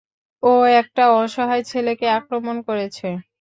ও একটা অসহায় ছেলেকে আক্রমণ করেছে।